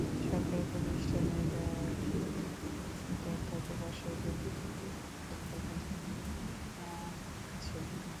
সরকারি প্রতিষ্ঠানের ব্যয়ের তথ্য প্রকাশের জন্য নতুন কিছু পরিকল্পনা নেওয়া হয়েছে।